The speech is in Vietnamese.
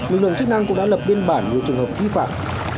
lực lượng chức năng cũng đã lập biên bản nhiều trường hợp vi phạm